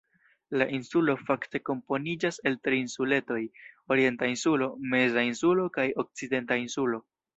La insulo fakte komponiĝas el tri insuletoj: Orienta Insulo, Meza Insulo kaj Okcidenta Insulo.